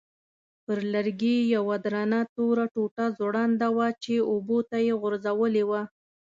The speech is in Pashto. پر لرګي یوه درنه توره ټوټه ځوړنده وه چې اوبو ته یې غورځولې وه.